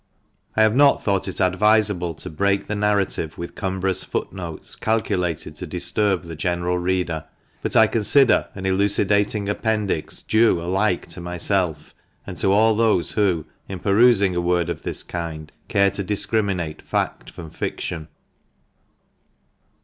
I have not thought it advisable to break the narrative with cumbrous foot notes calculated to disturb the general reader; but I consider an elucidating Appendix clue alike to myself and to all those who, in perusing a work of this kind, care to dis criminate fact from fiction.